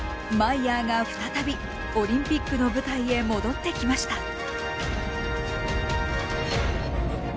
マイヤーが再びオリンピックの舞台へ戻ってきました。